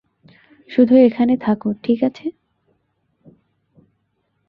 শুধু এখানে থাকো, ঠিক আছে?